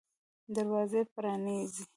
دروازه پرانیزئ